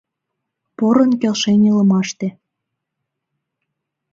Порын келшен илымаште